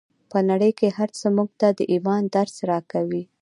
په نړۍ کې هر څه موږ ته د ایمان درس راکوي